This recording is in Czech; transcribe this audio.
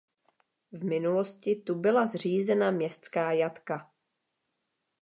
V minulosti tu byla zřízena městská jatka.